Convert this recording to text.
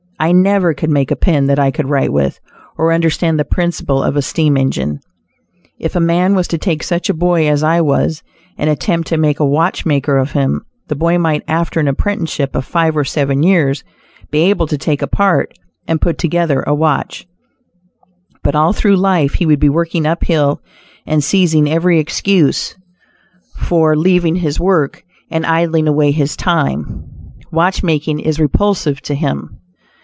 I never could make a pen that I could write with, or understand the principle of a steam engine. If a man was to take such a boy as I was, and attempt to make a watchmaker of him, the boy might, after an apprenticeship of five or seven years, be able to take apart and put together a watch; but all through life he would be working up hill and seizing every excuse for leaving his work and idling away his time. Watchmaking is repulsive to him.